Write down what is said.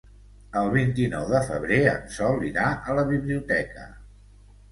El vint-i-nou de febrer en Sol irà a la biblioteca.